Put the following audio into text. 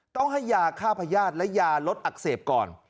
ต้องให้ยาฆ่าพญาติและยาลดอักเสบก่อน